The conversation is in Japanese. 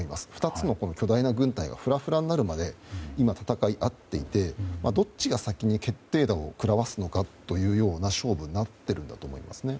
２つの巨大な軍隊がふらふらになるまで今、戦い合っていてどっちが先に決定打を食らわすのかという勝負になっているんだと思います。